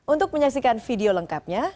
untuk menyaksikan video lengkapnya